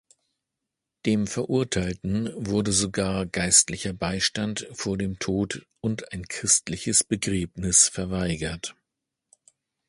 Dem Verurteilten wurde sogar geistlicher Beistand vor dem Tod und ein christliches Begräbnis verweigert.